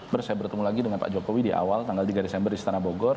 terus saya bertemu lagi dengan pak jokowi di awal tanggal tiga desember di istana bogor